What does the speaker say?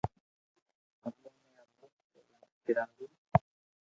امو ني ھمي ٿراويو